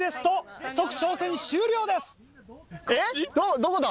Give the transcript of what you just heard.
・どこだ？